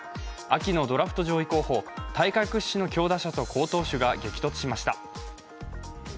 秋のドラフト上位候補大会屈指の強打者と好投手が激突しました。